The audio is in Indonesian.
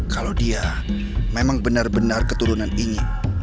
kalau dia memang benar benar keturunan ini